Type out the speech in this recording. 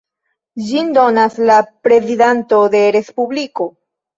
Ĝin donas la prezidanto de respubliko.